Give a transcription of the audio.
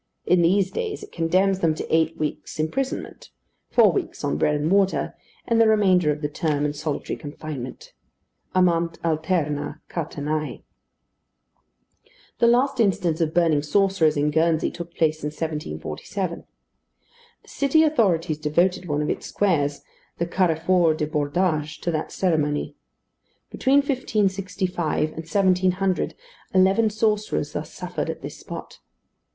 In these days it condemns them to eight weeks' imprisonment; four weeks on bread and water, and the remainder of the term in solitary confinement. Amant alterna catenæ. The last instance of burning sorcerers in Guernsey took place in 1747. The city authorities devoted one of its squares, the Carrefour du Bordage, to that ceremony. Between 1565 and 1700, eleven sorcerers thus suffered at this spot.